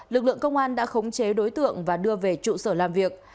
lực lượng công an đã khống chế đối tượng và đưa về trụ sở làm việc